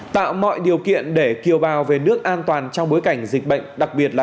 tạo mọi điều kiện để kiều bào về nước an toàn trong bối cảnh dịch bệnh